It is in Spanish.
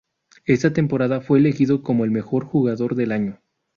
Esa temporada fue elegido como el Mejor Jugador del Año.